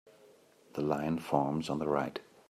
The line forms on the right.